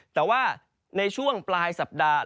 แต่ว่าในช่วงปลายสัปดาห์